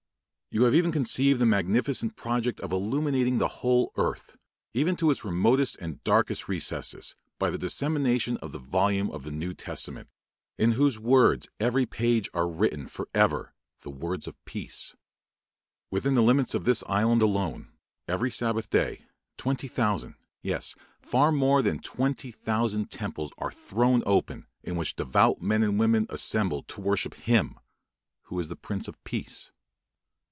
You have even conceived the magnificent project of illuminating the whole earth, even to its remotest and darkest recesses, by the dissemination of the volume of the New Testament, in whose every page are written for ever the words of peace. Within the limits of this island alone, every Sabbath day, twenty thousand, yes, far more than twenty thousand temples are thrown open, in which devout men and women assemble to worship Him who is the "Prince of Peace."